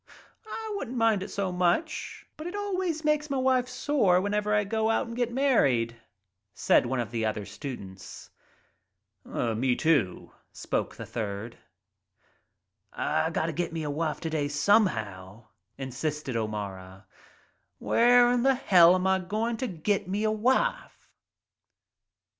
"I wouldn't mind it so much, but it always makes m' wife sore whenever I go out and get married," said one of the other students. et Me, too," spoke the third. "I gotta get me a wife t'day, somehow," insisted O'Mara. "Where in hell 'm I goin' t' get me a wife?"